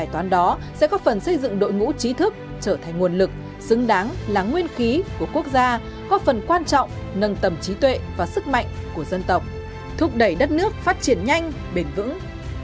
bài toán đó sẽ có phần xây dựng đội ngũ trí thức trở thành nguồn lực xứng đáng là nguyên khí của quốc gia có phần quan trọng nâng tầm trí tuệ và sức mạnh của dân tộc thúc đẩy đất nước phát triển nhanh bền vững